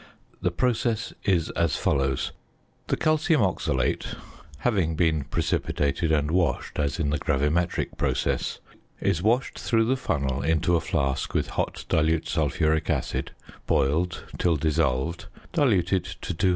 The process is as follows: The calcium oxalate (having been precipitated and washed, as in the gravimetric process) is washed through the funnel into a flask with hot dilute sulphuric acid, boiled till dissolved, diluted to 200 c.